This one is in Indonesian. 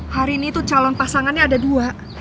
hari ini tuh calon pasangannya ada dua